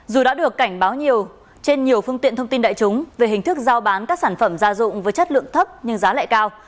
dù đã được cảnh báo nhiều trên nhiều phương tiện thông tin đại chúng về hình thức giao bán các sản phẩm gia dụng với chất lượng thấp nhưng giá lại cao